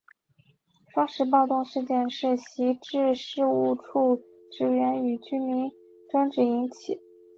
双十暴动事件是徙置事务处职员与居民争执引起。